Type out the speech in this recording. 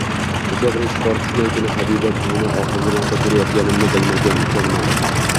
...O‘sha birinchi qor tushgan kuni Habiba buvini oxirgi marta ko‘rayotganimni bilmagan ekanman.